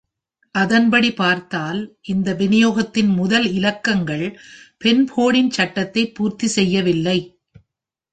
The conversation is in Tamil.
அதன்படி பார்த்தால், இந்த விநியோகத்தின் முதல் இலக்கங்கள் பென்ஃபோர்டின் சட்டத்தை பூர்த்தி செய்யவில்லை.